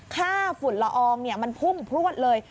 ฝุ่นละอองมันพุ่งพลวดเลย